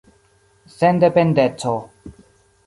sendependeco